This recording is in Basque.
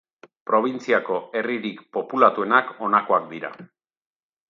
Probintziako herririk populatuenak honakoak dira.